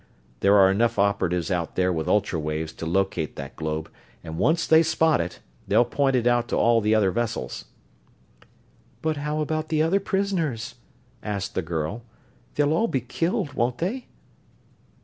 There are enough operatives out there with ultra waves to locate that globe, and once they spot it they'll point it out to all the other vessels." "But how about the other prisoners?" asked the girl. "They'll all be killed, won't they?"